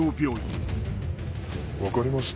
分かりました。